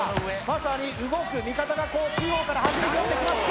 まさに動く味方がこう中央から走り寄ってきます